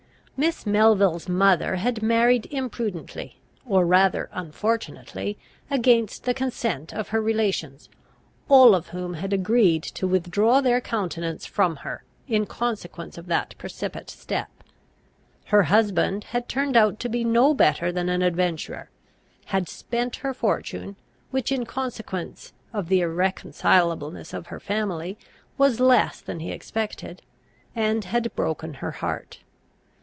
Miss Melville's mother had married imprudently, or rather unfortunately, against the consent of her relations, all of whom had agreed to withdraw their countenance from her in consequence of that precipitate step. Her husband had turned out to be no better than an adventurer; had spent her fortune, which in consequence of the irreconcilableness of her family was less than he expected, and had broken her heart.